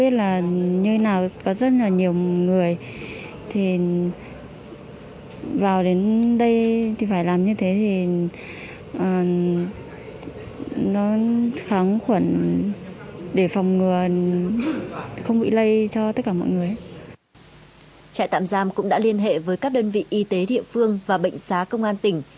trại tạm giam cũng đã liên hệ với các đơn vị y tế địa phương và bệnh xá công an tỉnh